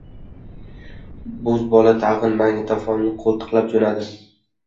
Bo‘zbola tag‘in magnitofonini qo‘ltiqlab jo‘nadi.